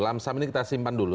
lamsam ini kita simpan dulu